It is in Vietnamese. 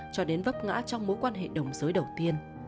cho đến vấp ngã trong mối quan hệ đồng giới đầu tiên